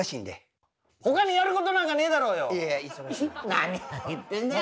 何を言ってんだよ。